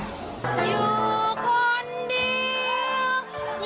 อยู่คนเดียว